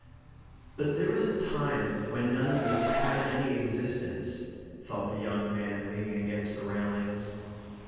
But there was a time when none of this had any existence (thought the young man leaning against the railings).